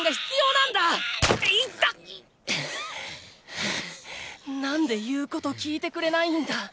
ハァハァなんで言うこと聞いてくれないんだ！